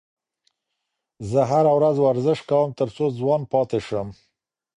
زه هره ورځ ورزش کوم تر څو ځوان پاتې شم.